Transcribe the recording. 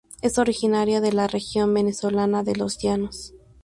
Es originaria de la región venezolana de los llanos.